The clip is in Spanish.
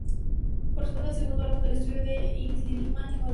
Corresponde al segundo álbum de estudio de Inti-Illimani Nuevo.